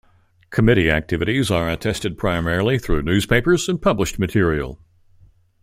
Committee activities are attested primarily through newspapers and published material.